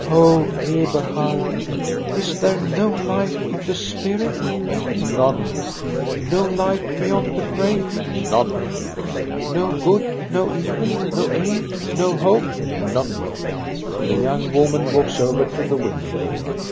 " Oh, Eberhard, is there no life of the spirit? " None." " No life beyond the grave? "" None." " No good, no evil, no aim, no hope?'^ " None." The young woman walks over to the window.